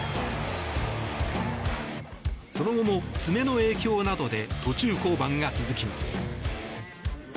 その後も爪の影響などで途中降板が続きます。